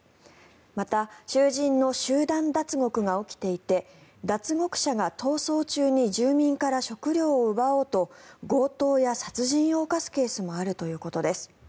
また囚人の集団脱獄が起きていて脱獄者が逃走中に住民から食料を奪おうと強盗や殺人を犯すケースもあるということです。